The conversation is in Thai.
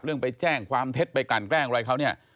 ไปแจ้งความเท็จไปกันแกล้งอะไรเขาเนี่ย